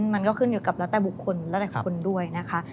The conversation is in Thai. มันก็ขึ้นอยู่กับระดับบุคคลระดับคนด้วยนะคะ